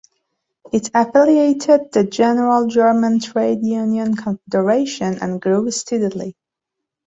It affiliated to the General German Trade Union Confederation and grew steadily.